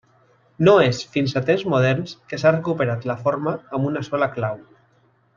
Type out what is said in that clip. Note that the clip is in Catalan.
No és fins a temps moderns que s'ha recuperat la forma amb una sola clau.